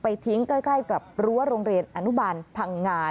ทิ้งใกล้กับรั้วโรงเรียนอนุบาลพังงา